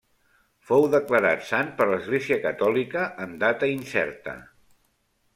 Fou declarat sant per l'església catòlica en data incerta.